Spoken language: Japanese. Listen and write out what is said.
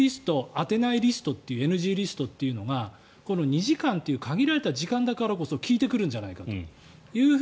当てないリストというＮＧリストというのがこの２時間という限られた時間だからこそ利いてくるんじゃないかという。